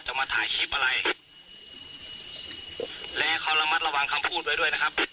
มาถ่ายคลิปอะไรและเขาระมัดระวังคำพูดไว้ด้วยนะครับ